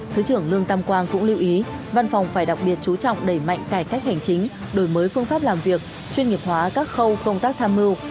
thứ trưởng lương tam quang cũng lưu ý văn phòng phải đặc biệt chú trọng đẩy mạnh cải cách hành chính đổi mới phương pháp làm việc chuyên nghiệp hóa các khâu công tác tham mưu